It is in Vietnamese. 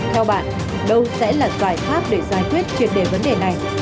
theo bạn đâu sẽ là giải pháp để giải quyết triệt đề vấn đề này